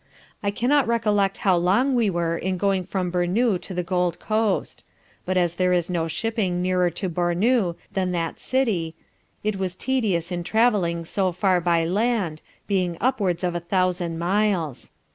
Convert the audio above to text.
I cannot recollect how long we were in going from Bournou to the Gold Coast; but as there is no shipping nearer to Bournou than that City, it was tedious in travelling so far by land, being upwards of a thousand miles.